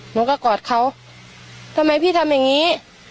หนูก็กอดเขาทำไมพี่ทำอย่างนี้